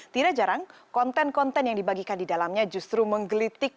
tidak jarang konten konten yang dibagikan di dalamnya justru menggelitik